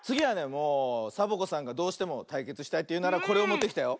もうサボ子さんがどうしてもたいけつしたいというならこれをもってきたよ。